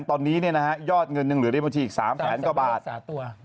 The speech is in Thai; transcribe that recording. ตอนนี้ยอดเงินยังเหลือในบัญชีอีก๓แสนกว่าบาท